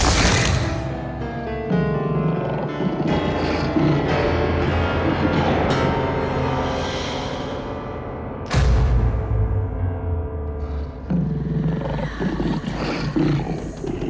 kesempatan aku bisa tidur di sini tanpa ada pengganggu